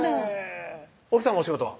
奥さまお仕事は？